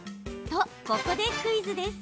と、ここでクイズです。